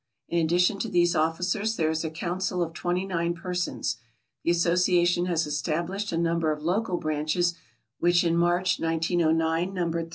In addition to these officers there is a council of 29 persons. The association has established a number of local branches which in March, 1909, numbered 13.